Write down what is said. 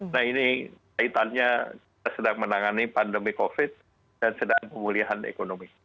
nah ini kaitannya kita sedang menangani pandemi covid dan sedang pemulihan ekonomi